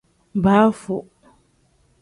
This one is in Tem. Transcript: Baafu.